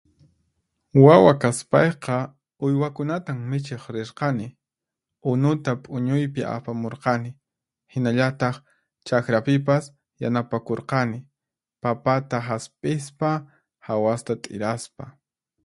Wawa kaspayqa, uywakunatan michiq rirqani, unuta p'uñuypi apamurqani, hinallataq chaqrapipas yanapakurqani, papata hasp'ispa, hawasta t'iraspa.